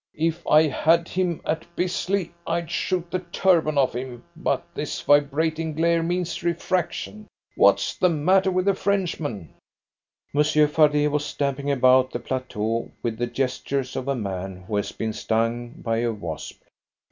If I had him at Bisley I'd shoot the turban off him, but this vibrating glare means refraction. What's the matter with the Frenchman?" Monsieur Fardet was stamping about the plateau with the gestures of a man who has been stung by a wasp.